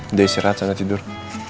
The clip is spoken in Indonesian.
udah istirahat jangan tidur